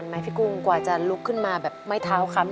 เปลี่ยนเพลงเพลงเก่งของคุณและข้ามผิดได้๑คำ